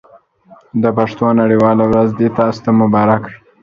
د پښتو نړۍ واله ورځ دې تاسو ته مبارک وي.